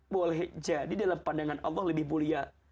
boleh jadi dalam pandangan allah lebih mulia